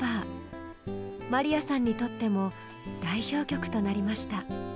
まりやさんにとっても代表曲となりました。